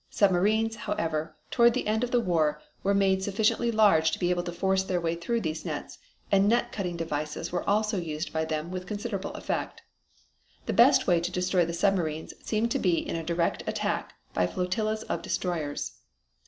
Submarines, however, toward the end of the war were made sufficiently large to be able to force their way through these nets, and net cutting devices were also used by them with considerable effect. The best way to destroy the submarines seemed to be in a direct attack by flotillas of destroyers.